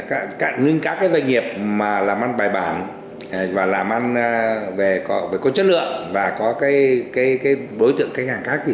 các doanh nghiệp mà làm ăn bài bản và làm ăn về có chất lượng và có đối tượng khách hàng khác thì